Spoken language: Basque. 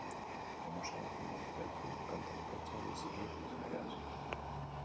Emozionatu nahi gaitu kanta bakoitza biziki sentiaraziz.